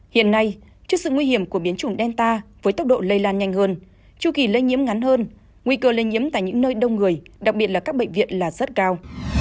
hiện nay trước sự nguy hiểm của biến chủng delta với tốc độ lây lan nhanh hơn chu kỳ lây nhiễm ngắn hơn nguy cơ lây nhiễm tại những nơi đông người đặc biệt là các bệnh viện là rất cao